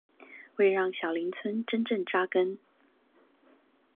為讓小林村真正扎根